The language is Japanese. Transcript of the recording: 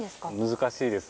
難しいです。